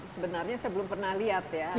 sebenarnya saya belum pernah lihat ya